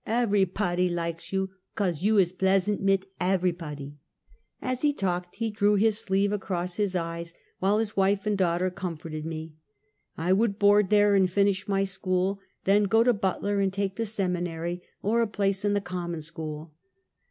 Everypody likes you, caus you is bleasant mit every pody." As he talked he drew his sleeve across his eyes, while his wife and daughter comforted me. I would board there and finish my school, then go to Butler and take the seminary, or a place in the common school.